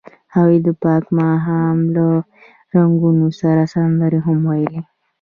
هغوی د پاک ماښام له رنګونو سره سندرې هم ویلې.